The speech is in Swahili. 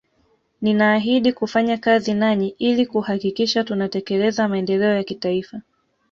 Ninaahidhi kufanya kazi nanyi ili kuhakikisha tunatekeleza maendeleo ya kitaifa